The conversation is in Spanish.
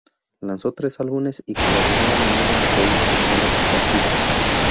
Lanzó tres álbumes, y colaboró a menudo en proyectos con otros artistas.